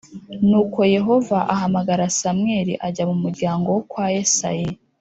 Nuko Yehova ahamagara Samweli ajya mu muryango wo kwa Yesayi